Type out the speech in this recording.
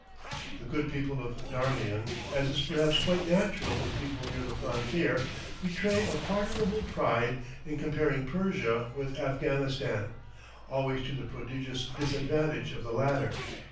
The good people of Darmian, as is perhaps quite natural in people near the frontier, betray a pardonable pride in comparing Persia with Afghanistan, always to the prodigious disadvantage of the latter.